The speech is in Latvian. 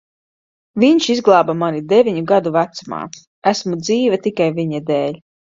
Viņš izglāba mani deviņu gadu vecumā. Esmu dzīva tikai viņa dēļ.